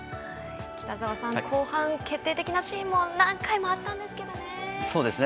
北澤さん、後半決定的なシーンも何回もありましたね。